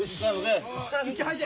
息吐いて！